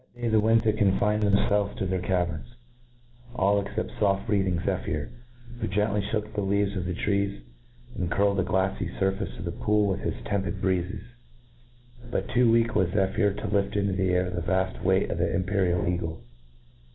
" That. day the winds had confined themfelves to their caverns, all except the foft breathing Zephyr, who gently Ihook the leaves of the trees, and curled . the glafly furfacc of the pool with his tepid breezes j but too weak was Ze phyr to lift into . the air the vaft weight of the imperial eagle